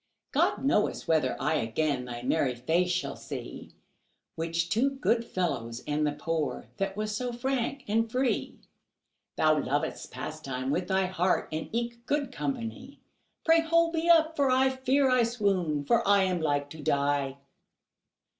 God knoweth whether I again Thy merry face shall see, Which to good fellows and the poor That was so frank and free. Thou lovedst pastime with thy heart, And eke good company; Pray hold me up for fear I swoon, For I am like to die.